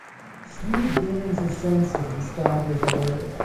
Steve gains his senses and staggers away.